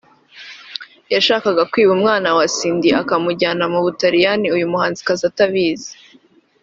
yashakaga kwiba uyu mwana wa Cindy akamujyana mu Butaliyani uyu muhanzikazi atabizi